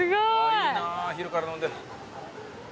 いいな昼から飲んで。